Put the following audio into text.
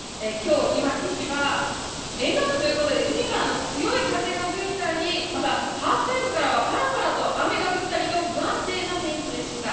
今日いわき市は沿岸部ということで海からの強い風が吹いたりまだハーフタイムからはぱらぱらと雨が降ったりと不安定な天気でした。